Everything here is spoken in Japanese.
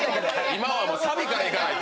今はサビからいかないと。